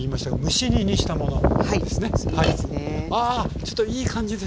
ちょっといい感じですね。